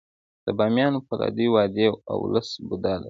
د بامیانو فولادي وادي اوولس بودا لري